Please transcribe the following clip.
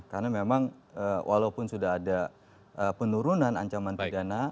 karena memang walaupun sudah ada penurunan ancaman pidana